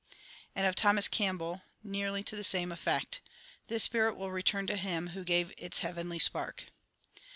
And of Thomas Campbell nearly to the same effect : This spirit will return to Him Who gave its heavenly spark.